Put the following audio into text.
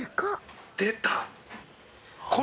出た。